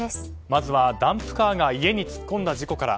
まずはダンプカーが家に突っ込んだ事故から。